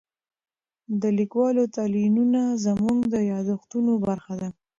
د لیکوالو تلینونه زموږ د یادښتونو برخه ده.